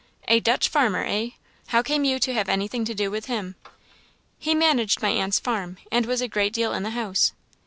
"A Dutch farmer, eh? How came you to have anything to do with him?" "He managed my aunt's farm, and was a great deal in the house."